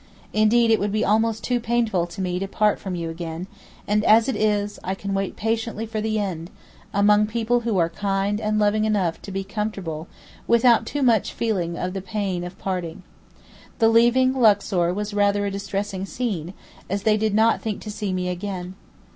Indeed, it would be almost too painful to me to part from you again; and as it is, I can wait patiently for the end, among people who are kind and loving enough to be comfortable without too much feeling of the pain of parting. The leaving Luxor was rather a distressing scene, as they did not think to see me again.